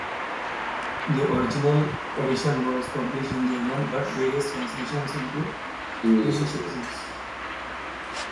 The original edition was published in German, but various translations into English exist.